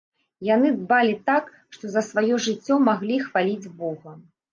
Яны дбалі так, што за сваё жыццё маглі хваліць бога.